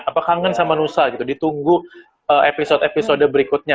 apa kangen sama nusa gitu ditunggu episode episode berikutnya